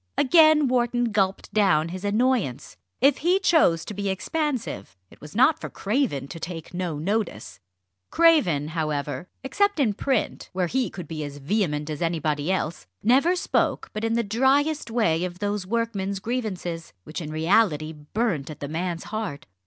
Again Wharton gulped down his annoyance. If he chose to be expansive, it was not for Craven to take no notice. Craven, however, except in print, where he could be as vehement as anybody else, never spoke but in the driest way of those workman's grievances, which in reality burnt at the man's heart.